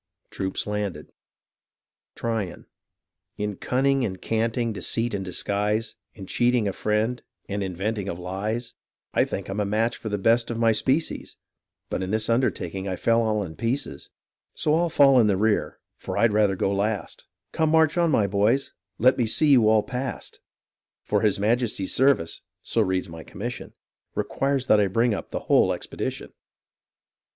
Troops landed Tryon In cunning and canting, deceit and disguise, In cheating a friend, and inventing of lies, I think I'm a match for the best of my species, But in this undertaking I fell all in pieces ; So I'll fall in the rear, for I'd rather go last : Come, march oti 7>iy boys, let ine see you all past, For his Majesty's service (so reads my commission) Requires that I bring up the whole expedition.